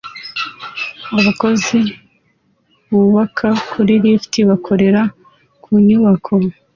Abakozi bubaka kuri lift bakorera ku nyubako